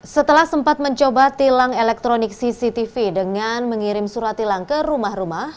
setelah sempat mencoba tilang elektronik cctv dengan mengirim surat tilang ke rumah rumah